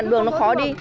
đường nó khó đi